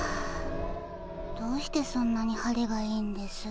どうしてそんなに晴れがいいんです？